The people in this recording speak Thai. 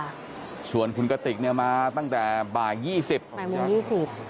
ชวนคุณกติกเนี่ยมาตั้งแต่บ่ายี่สิบบ่ายี่สิบ